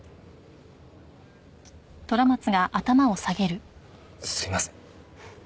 あっすいません。